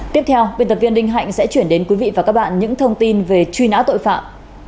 tiếp theo biên tập viên đinh hạnh sẽ chuyển đến quý vị và các bạn những thông tin về truy nã tội phạm